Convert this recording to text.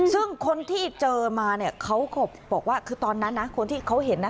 ซึ่งคนที่เจอมาเนี่ยเขาก็บอกว่าคือตอนนั้นนะคนที่เขาเห็นนะ